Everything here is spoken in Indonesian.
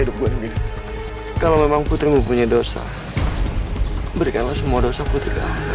hidupku selesai hidupku ini kalau memang putri mempunyai dosa berikan semua dosa putri